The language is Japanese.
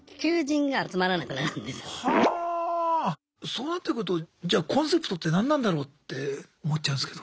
そうなってくるとじゃコンセプトって何なんだろうって思っちゃうんすけど。